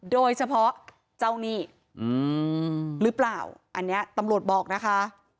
โดยเฉพาะเจ้าหนี้หรือเปล่าอันนี้ตำรวจบอกนะคะ